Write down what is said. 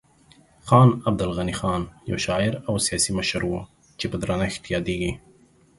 خان عبدالغني خان یو شاعر او سیاسي مشر و چې په درنښت یادیږي.